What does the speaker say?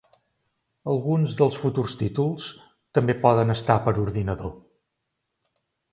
Alguns dels futurs títols també poden estar per ordinador.